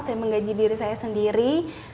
saya menggaji diri saya sendiri